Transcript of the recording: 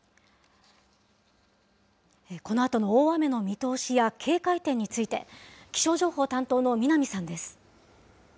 このあとの大雨の見通しや警戒点について、気象情報担当の南さんです。